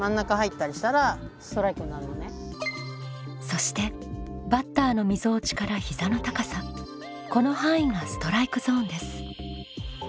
そしてバッターのみぞおちから膝の高さこの範囲がストライクゾーンです。